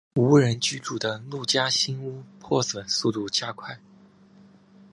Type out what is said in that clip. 无人居住的陆家新屋破损速度加快。